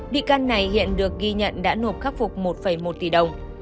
bị can này hiện được ghi nhận đã nộp khắc phục một một tỷ đồng